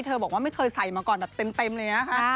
บอกว่าไม่เคยใส่มาก่อนแบบเต็มเลยนะคะ